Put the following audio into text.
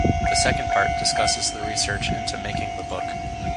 The second part discusses the research into making the book.